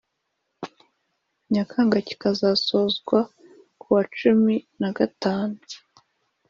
Nyakanga kikazasozwa ku wa cumi nagatanu